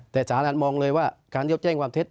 แต่สารอันมองเลยว่าการยกแจ้งความเท็จ